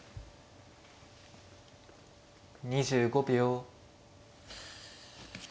２５秒。